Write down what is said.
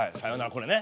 これね。